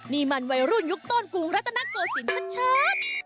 นี่มันวัยรุ่นยุคต้นกรุงรัตนโกศิลป์ชัด